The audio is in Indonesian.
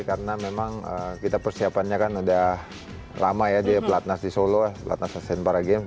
karena memang kita persiapannya kan sudah lama ya di asean para games